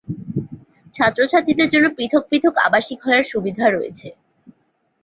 ছাত্রছাত্রীদের জন্য পৃথক পৃথক আবাসিক হলের সুবিধা রয়েছে।